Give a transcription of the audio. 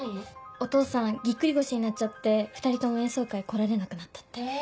お父さんぎっくり腰になっちゃって２人とも演奏会来られなくなったって。え！